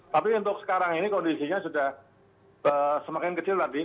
tapi untuk sekarang ini kondisinya sudah semakin kecil tadi